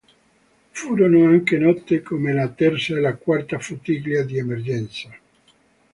Furono anche note come la Terza e la Quarta Flottiglia di Emergenza.